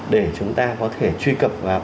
để chúng ta có thể truy cập vào